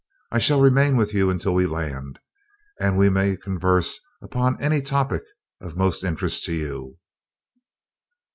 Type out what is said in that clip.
I shall remain with you until we land, and we may converse upon any topic of most interest to you."